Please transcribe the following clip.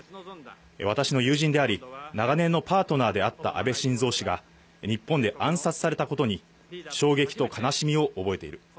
私の友人であり、長年のパートナーであった安倍晋三氏が、日本で暗殺されたことに、衝撃と悲しみを覚えている。